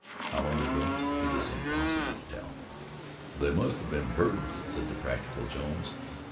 How long ago, it is impossible to tell." "They must have been birds," said the practical Jones.